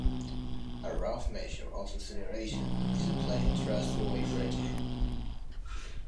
A rough measure of acceleration is a plane's thrust-to-weight ratio.